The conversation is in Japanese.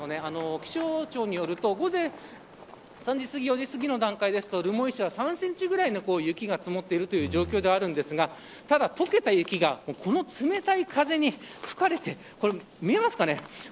気象庁によると午前３時すぎ、４時すぎの段階で留萌市は３センチぐらいの雪が積もっている状況ですが溶けた雪がこの冷たい風に吹かれて見えますかね。